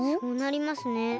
そうなりますね。